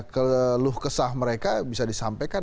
keluh kesah mereka bisa disampaikan